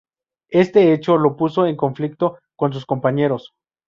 Este hecho lo puso en conflicto con sus compañeros.